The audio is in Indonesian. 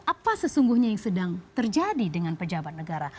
apa sesungguhnya yang sedang terjadi dengan pejabat negara